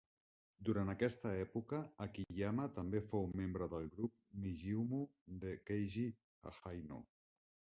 Durant aquesta època, Akiyama també fou membre del grup Nijiumu de Keiji Haino.